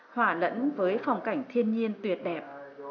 hòa lẫn với phong cảnh thiên nhiên tuyệt đẹp